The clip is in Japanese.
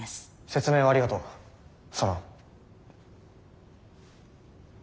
説明をありがとうソロン。